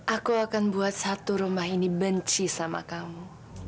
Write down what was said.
aku akan buat satu rumah ini benci sama kamu